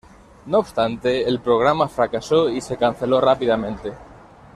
No obstante, el programa fracasó y se canceló rápidamente.